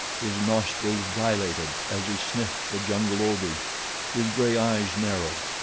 His nostrils dilated as he sniffed the jungle odors. His gray eyes narrowed.